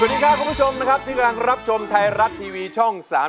สวัสดีครับคุณผู้ชมนะครับที่กำลังรับชมไทยรัฐทีวีช่อง๓๒